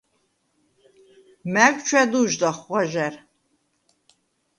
მა̈გ ჩვა̈დუ̄ჟდახ ღვაჟა̈რ.